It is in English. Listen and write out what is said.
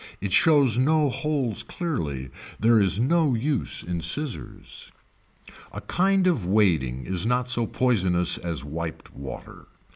It shows no holes clearly. There is no use in scissors. A kind of wading is not so poisonous as wiped water.